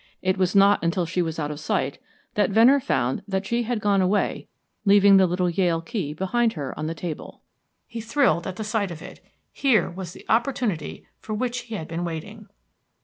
It was not until she was out of sight that Venner found that she had gone away, leaving the little Yale key behind her on the table. He thrilled at the sight of it. Here was the opportunity for which he had been waiting.